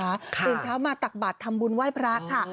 ตื่นเช้ามาตักบาททำบุญไหว้พระค่ะ